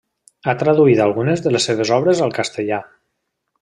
Ha traduït algunes de les seves obres al castellà.